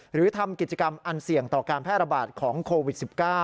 หรือทำกิจกรรมอันเสี่ยงต่อการแพร่ระบาดของโควิด๑๙